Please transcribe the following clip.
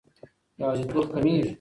یوازیتوب کمېږي.